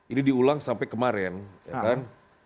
ini diulang sampai kemarin ya kan